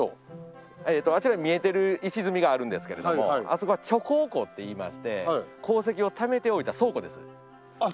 あちらに見えてる石積みがあるんですけれどもあそこは貯鉱庫っていいまして鉱石をためておいた倉庫です。